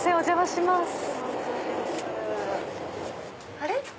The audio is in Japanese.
あれ？